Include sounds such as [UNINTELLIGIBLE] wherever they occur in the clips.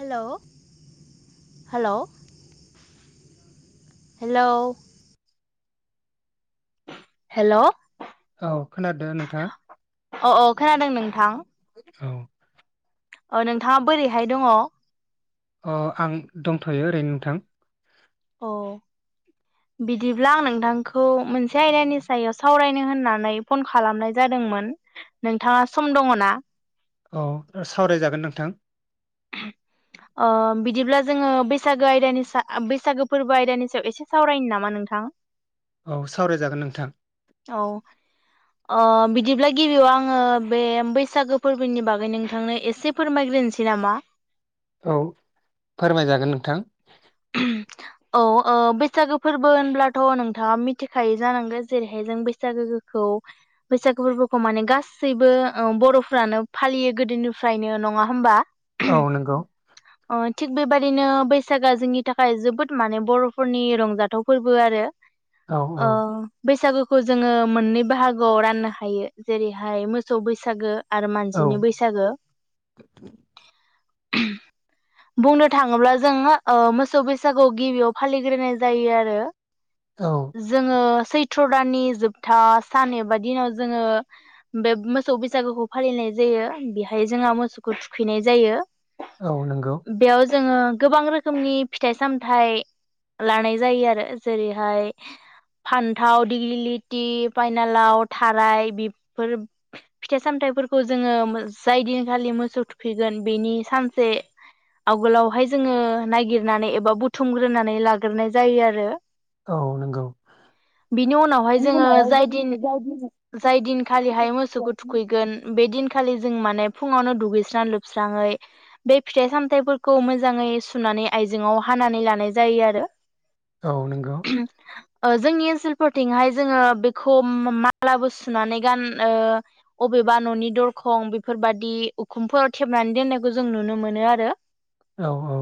Hello hello hello hello औ खोनादो ना नोंथाङा? अ औ खोनादों नोंथां। औ ओ नोंथाङा बोरैहाय दङ? अ आं दंथ'यो ओरैनो नोंथां। अ बिदिब्ला आं नोंथांखौ मोनसे आयदानि सायाव सावरायनो होननानै फन खालामनाय जादोंमोन नोंथाङा सम दङ ना? औ सावरायजागोन नोंथां। ओ बिदिब्ला जोङो बैसागो आयदानिसा बैसागो फोरबो आयदानि सायाव एसे सावरायनो नामा नोंथां? औ सावरायजागोन नोंथां। औ ओ बिदिब्ला गिबियाव आङो बे बैसागो फोरबोनि बागै नोंथांनो एसे फोरमायग्रोनोसै नामा? औ फोरमायजागोन नोंथां। औ ओ बैसागो फोरबो होनब्लाथ' नोंथाङा मिथिखायो जानांगोन जेरैहाय जों बैसागोखौ बैसागो फोरबोखौ माने गासैबो बर'फ्रानो फालियो गोदोनिफ्रायनो नङा होमबा? औ नंगौ। अ थिग बेबादिनो बैसाग जोंनि थाखाय जोबोद माने बर'फोरनि रंजाथाव फोरबो आरो। औ औ अ बैसागु खौ जोङो मोननै बाहागोआव राननो हायो जेरैहाय मोसौ बैसागो आरो औ मानसिनि बैसागो। बुंनो थाङोब्ला जोङो ओ मोसौ बैसागु गिबियाव फालिग्रोनाय जायो आरो। औ जोङो सैथ्र' दाननि जोबथा सान एबा दिनाव जोङो बे मोसौ बैसागोखौ फालिनाय जायो बेहाय जोंहा मोसौखौ थुखैनाय जायो। औ नंगौ बेयाव जोङो गोबां रो रोखोमनि फिथाइ सामथाइ लानाय जायो आरो जेरैहाय फान्थाव दिग्लिलिथि पायनालाव थाराय बेफोर फिथाइ सामथाइफोरखौ जोङो जाय दिनखालि मोसौ थुखैगोन बेनि सानसे आगोलावहाय जोङो नायागिरनानै एबा बुथुमग्रोनानै लाग्रोनाय जायो आरो। औ नंगौ बिनि उनावहाय जोङो उनावहाय जाय दिन जों जाय बिजनेस जाय दिनखालिहाय मोसौखौ थुखैगोन बे दिनखालि जों माने फुङावनो दुगैसां लोबस्राङै बे फिथाइ सामथफोरखौ मोजाङै सु सुनानै आइजेंआव हानानै लानाय जायो आरो। औ नंगौ। ओ जोंनि ओनसोलफोरथिंहाय जोङो बेखौ मालाबो सुनानै गान ओ अबेबा न'नि दरखं बेफोरबादि उखुमफोराव थेबनानै दोननायखौ जों नुनो मोनो आरो। औ औ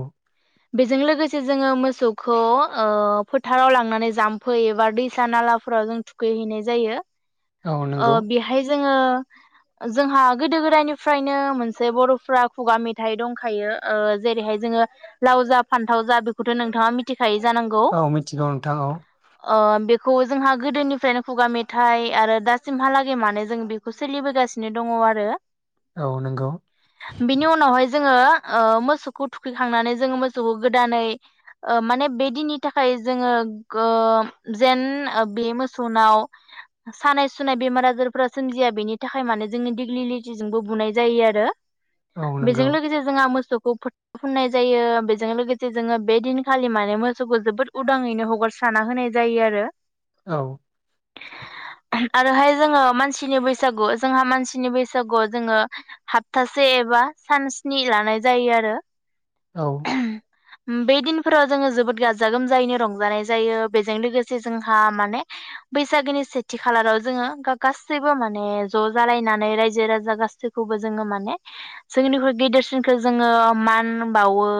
बेजों लोगोसे जोङो मोसौखौ ओ फोथाराव लांनानै जाम्फै एबा दैसा नालाफोराव जों थुखैहैनाय जायो। औ ओ नंगौ बिहाय जोङो जोंहा गोदो गोदायनिफ्रायनो मोनसे बर'फ्रा खुगा मेथाइ दंखायो जेरैहाय जोङो लाव जा फान्थाव जा बेखौथ' नोंथाङा मिथि औ मिथिगौ नोंथां औ। ओ बेखौ जोंहा गोदोनिफ्रायनो खुगा मेथाइ आरो दासिमहालागै माने जों बेखौ सोलिबोगासिनो दङ आरो। औ नंगौ बिनि उनावहाय जोङो ओ मोसौखौ थुखैखांनानै, जोङो मोसौखौ गोदानै ओ माने बे दिननि थाखाय जोङो ओम जेन ओ बे मोसौनाव सानाय सुनाय बेमार आजारफोरा सोमजिया बेनि थाखाय माने जोंनि दिग्लिलिटिजोंबो बुनाय जायो आरो औ बेजों नंगौ लोगोसे जोंहा मोसौ, खौ फोथ फनाय जायो। बेजों लोगोसे जोङो बे दिनखालि माने मोसौखौ जोबोद उदाङैनो हगारसारना होनाय जायो आरो औ आरोहाय जोङो मानसिनि बैसागु जोंहा मानसिनि बैसागुआव जोङो हाप्तासे एबा सान स्नि लानाय जायो आरो औ बे दिनफोराव जोङो जोबोद गाजा गोमजायैनो रंजानाय जायो बेजों लोगोसे जोंहा माने बैसागोनि सेथि खालाराव जोङो गासैबो माने ज' जालायनानै रायजो राजा गासैखौबो जोङो माने जोंनिख्रुइ गेदेरसिनखौ जोङो मान बावो बो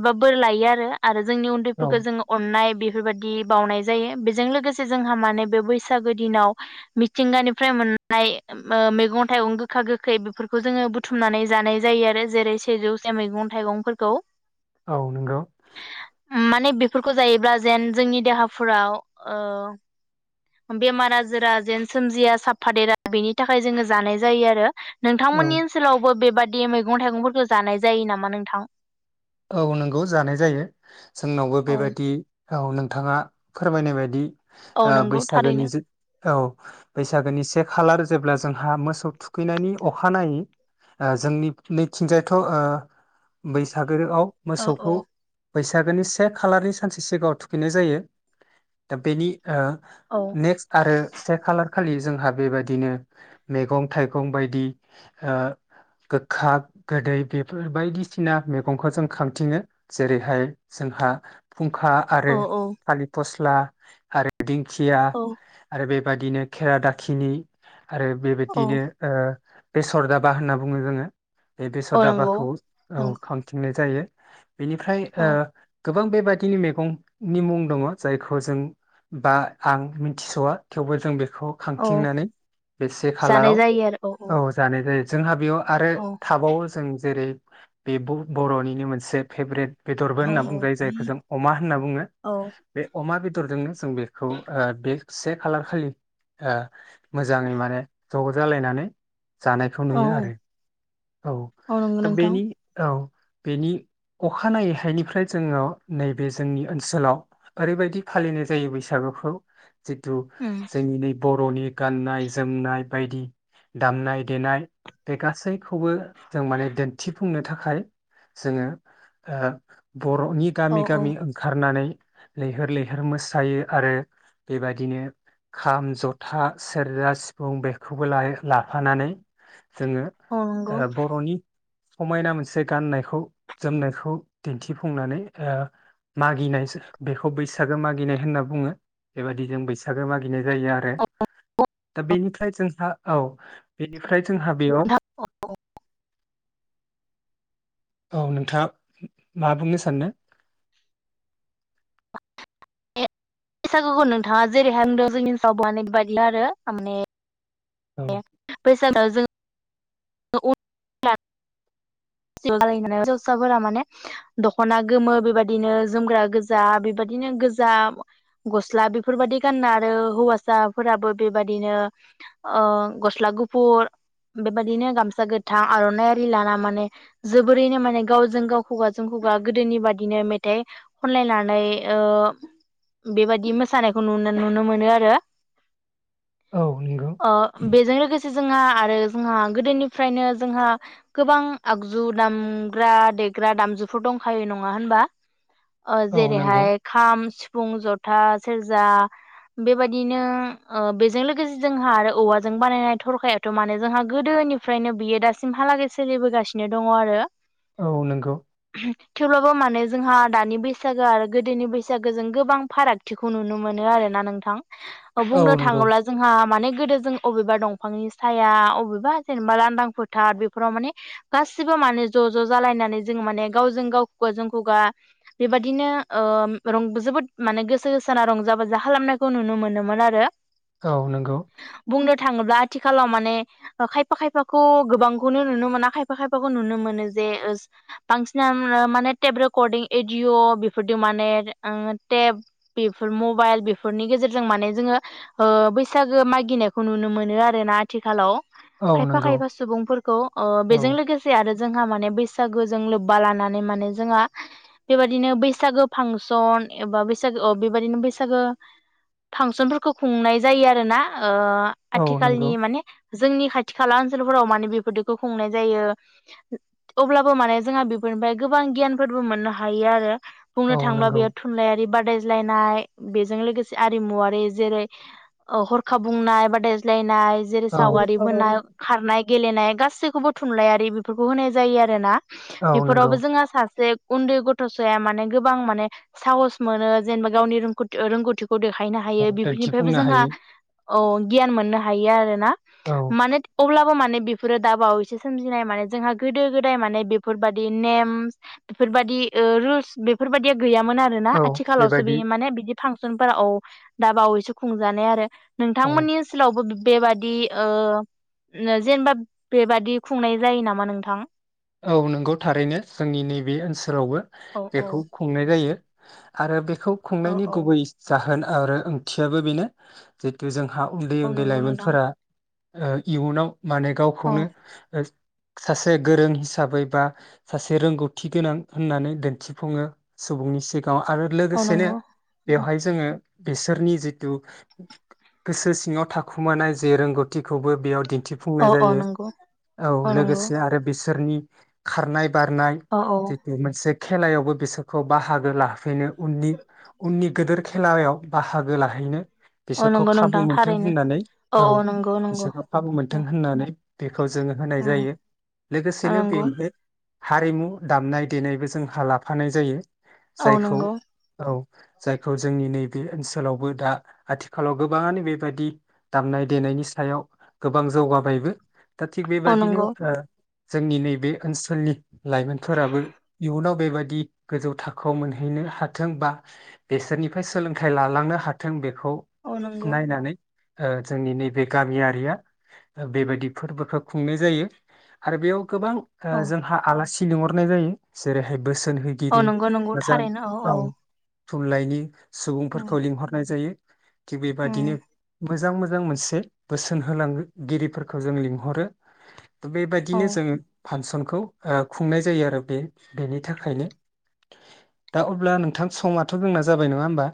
एबा बोर लायो आरो जोंनि औ उन्दैफोरखौ जोङो अननाय बि बेफोरबायदि बावनाय जायो बेजों लोगोसे जोंहा माने बे बैसागो दिनाव मिथिंगानिफ्राय मोननाय ओ मैगं थाइगं गोखा गोखै बेफोरखौ जोङो बुथुमनानै जानाय जायो, आरो जेरै सेजौसे मैगं थाइगं खौ औ नोंगौ माने बेफोरखौ जायोब्ला जेन जोंनि देहाफोराव ओ बेमार आजारा जेन सोमजिया साबफादेरा बेनि थाखाय जोङो जानाय जायो आरो औ नोंथांमोननि ओनसोलावबो बेबाद दे मैगं थाइगंफोरखौ जानाय जायो नामा नोंथां? औ नंगौ जानाय जायो जोंनावबो औ बेबादि, औ नोंथाङा फोरमायनाय बायदि, औ ओ नंगौ थारैनो बैसागोनि जो औ बैसागोनि से खालार जेब्ला, जोंहा मोसौ थुखैनायनि अखानायै ओ जोंनि नैथिंजायथ' ओ बैसाग गोरोआव औ औ मोसौखौ, बैसागोनि से खालारनि सानसे सिगाङाव थुखैनाय जायो दा बेनि, ओ औ नेक्स्ट आरो से खालारखा खालि जोंहा बेबायदिनो मेगं थाइगं बायदि ओ गोखा गोदै बेफोर बायदिसिना मेग मेगंखौ जों खांथिङो जेरैहाय जोंहा, फुंखा आरो औ औ थालिर फस ला आरो दिं थिया औ आरो बे बादिनो खेरा दाखिनि आरो औ बेबायदिनो ओ बेसर दाबा होनना बुङो जोङो बे बेसर औ नंगौ दाबाखौ औ नंगौ बुंनाय जायो। बेनिफ्राय ओ औ गोबां बेबादिनि मेगंनि मुं दङ जायखौ जों बा आं मिथिस'वा थेवबो जों बेख खौ औ खांथिंनानै बे से जानाय खालाराव जायो आरो औ जानाय जायो। जोंहा बेयाव आरो औ थाबावो जों जेरै बेबो बर'निनो मोनसे फेभरेट बेदरबो औ होनना औ बुंजायो जायखौ जों अमा होनना बुङो औ बे अमा बेदरजोंनो जों बेखौ ओ बे से खालार खालि ओ मोजाङै माने ज जालायनानै जानायखौ औ नुयो आरो। औ नंगौ दा नोंथां बेनि औ बेनि अखानायैहायनिफ्राय जोङो नैबे जोंनि ओनसोलाव ओरैबायदि फालिनाय जायो बैसागोखौ जिथु उम जोंनि नै बर' बर'नि गाननाय जोमनाय बायदि दामनाय देनाय बे गासै खौबो जों माने दिन्थिफुंनो थाखाय जोङो ओ बर'नि गामि औ औ गामि ओंखारनानै लैहोर लैहोर मोसायो आरो बेबादिनो खाम जथा सेरजा सिफुं बेखौबो लायो लाफानानै जोंङो। औ ओ नंगौ बर'नि समायना मोनसे गाननायखौ जोमनायखौ दिन्थिफुंनानै ओ मागिनाय बेखौ बैसागो मागिनाय होनना बुङो बेबायदि जों बैसागो मागिनाय जायो आरो दा बेनिफ्राय जोंहा औ बेनिफ्राय जोंहा बेयाव औ नोंथाङा मा बुंनो सानो? बैसागुखौ नोंथाङा जेरैहाय बुंदो जोंनि ओनसोलाव बेबादिनो बानायो आरो थारमाने औ ए बैसा [UNINTELLIGIBLE] [INAUDIBLE] हिनजावसाफोरा माने दखना गोमो बेबायादिनो जोमग्रा गोजा बेबादिनो गोजा गस्ला बेफोरबदि गानना आरो हौवासाफोराबो बेबायादिनो ओ गस्ला गुफुर बेबादि बिदिनो गामसा गोथां आरनाइआरि लाना माने जोबोरैनो माने गावजों गाव खुगाजों खुगा गोदोनि बादिनो मेथाइ खनलायनानै ओ बेबादि मोसानायखौ नुनो नुनो मोनो आरो। औ नंगौ ओ बेजों लोगोसे जोंहा आरो जोंहा गोदोनिफ्रायनो जोंहा गोबां आगजु दामग्रा देग्रा दामजुफोर दंखायो नङा होनबा? ओ औ नंगौ जेरैहाय खाम सिफुं, जथा, सेरजा बेबायदिनो ओ बेजों लोगोसे जोंहा आरो औवाजों बानायनाय थरखायाथ माने जोंहा गोदोनिफ्रायनो बियो दासिमहालागै सोलिबोगासिनो दङ आरो। औ नोंगौ। थेवब्लाबो मानोे जोंहा दानि बैसागो आरो गोदोनि बैसागोजों गोबां फारागथिखौ नुनो मोनो आरोना नोंथां। ओ औ बुंनो नंगौ थाङोब्ला जोंहा माने गोदो जों अबेबा दंफांनि साया अबेबा बा जेनेबा लांदां फोथार बेफोराव माने गासिबो माने ज ज जालायनानै जोंङो माने गावजों गाव खुगाजों खुगा बेबादिनो ओ जोबोद माने गोसो गोसोना रंजा बाजा खालामनायखौ नुनो मोनोमोन आरो। औ नंगौ बुंनो थाङोब्ला आथिखालाव माने खायफा खायफाखौ गोबांखौनो नुनो मोना खायफा खायफाखौ नुनो मोनो जे बांसिन माने टेब रेकर्डिं एडअ' बेफोरजों माने टेब बेफोर मबाइल बेफोरनि गेजेरजों माने जोङो बैसागो मागिनायखौ नुनो मोनो आर ना आथिखालाव औ खायफा नंगौ खायफा सुबुंफोरखौ औ बेजों लोगोसे आरो जोंहा माने बैसागो जजों लोब्बा लानानै माने जोंहा बेबायदिनो बैसागो फांसन एबा बैसागो बेबायदिनो बैसागो फांसनफोरखौ खुंनाय जायो आरोना ओ औ नंगौ आथिखालनि माने जोंनि खाथि खाला ओनसोलफोराव माने बेफोरखौ खुंनाय जायो अब्लाबो माने जोंहा बेफोरनिफ्राय गोबां गियानफोरबो मोननो हायो आरो। बुंनो औ थांयोब्ला नंगौ बेयाव थुनलाइारि बार रायज्लायनाय बेजों लोगोसे आरिमुवारि जेरै अ हरखा बुंनाय बादाय्लायनाय औ सावगारि बोना खारनाय गेलेनाय गासैखौबो थुनलाइयारि बेफोरखौ होनाय जायो आरो ना औ नंगौ बेफोरावबो जोंहा सासे उन्दै गथ'साया माने गोबां माने साहस मोनो जेनेबा गावनि रथि रोंगौथिखौ देखायनो औ हायो बेफोरनिफ्रायबो दिन्थिफुंनो जोंहा हायो औ गियान मोननो हायो आरो ना। औ माने अब्ला माने बेफोरो दाबावैसे सोमजिनाय माने जोंहा गोदो गोदाय माने बेफोरबायदि नेम बेफोरबायदि रुल्स बेफोरबायदि गैयामोन आरोना औ आथिखालावसो बेबायदि बि माने बिदि फांसनफोरा औ दा बावैसो खुंजानाय आरो औ नोंथांमोननि ओनसोलावबो बेबादि ओ जेनेबा बेबादि खुंनाय जायो नामा नोंथां? औ नोंगौ थारैनो जोंनि नैबे ओनसोलावबो औ औ बेखौ खुंनाय जायो। आरो बे खौ औ खुंनायनि औ गुबै जाहोन आरो ओंथियाबो बेनो जितु जों हा उन्दै औ उन्दै नंगौ नोंथां लाइमोनफोरा ओ इयुनाव माने औ गावखौनो सासे गोरों हिसाबै बा सासे रोंगौथि गोनां होननानै दिन्थिफुङो सुबुंनि सिगाङां गाव आरो औ लोगोसेनो नंगौ बेवहाय जोङो बिसोरनि जिथु गोसो सिङाव थाखुमानाय जे रोंगौथिखौबो बेयाव दि औ दिन्थिफुंनाय औ जायो नंगौ औ लोगोसे आरो बिसोरनि खारनाय। बारनाय औ औ जिथु मोनसे [UNINTELLIGIBLE] खेलायावबो बिसोरखौ बाहागो लाफैनो उननि उननि गिदिर खेलायाव बाहागो लाहैनो। औ बिसोरखौ नंगौ खाबु नोंथां मोनथों थारैनो होननानै औ बिसोरखौ खाबु औ मोनथों होननानै‌। खौ जोङो होनाय औ जायो लोगोसेनो। [UNINTELLIGIBLE] नंगौ देबदो हारिमु दामनाय देनायबो जोंहा लाफानाय जायो। औ जायखौ नंगौ औ। जायखौ जोंनि नैबे ओनसोलावबो दा आथिखालाव गोबाङानो बेबायादि दामनाय देनायनि सायाव गोबां जौगाबायबो। दा थिग औ बेबादिनो नंगौ ओ। जोंनि नैबे। बे ओनसोलनि लाइमोनफोराबो इयुनाव बेबादि गोजौ थाखोआव मोनहैनो हाथों बा बेसोरनिफ्राय सोलोंथाइ लालांनो हाथों। बेखौ औ नंगौ नायनानै। ओ जोंनि नैबे गामियारिया बेबायदि फोरबोखौ खुंनाय जायो आरो बेयाव गोबां। ओ औ जोंहा आलासि। लिंहरनाय जायो जेरैहाय [UNINTELLIGIBLE] औ बोसोनहोगिरि नंगौ नंगौ मोजां थारैनो औ। थुनलाइनि। उम सुबुंफोरखौ लिंहरनाय जायो। थिग बेबादिनो। मोजां मोजां मोनसे बोसोन होलांगिरिफोरखौ जों लिंहरो। औ बेबायदिनो जोङो। फांसनखौ ओ खुंनाय जायो आरो बे बेनि थाखायनो दा अब्ला नोंथां समथ' जोंना जाबाय नङा होमबा।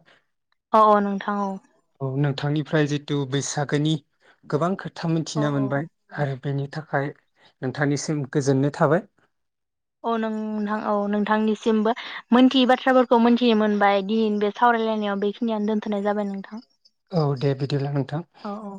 औ औ नोंथां औ। औ नोंथांनिफ्राय जिथु बैसागोनि गोबां खोथा। खोथा औ मिथिना औ मोनबाय आरो। बेनि थाखाय नोंथांनिसिम। गोजोननाय थाबाय। औ नोंथां औ नोंथांनिसिमबो मोनथियै बाथ्राफोरखौ मोनथिनो मोनबाय दिनैनि बे सावरायलायनायाव बेखिनियावनो दोनथनाय जाबाय नोंथां। औ दे बिदिब्ला नोंथां। औ औ